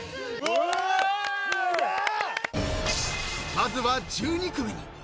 ［まずは１２組に］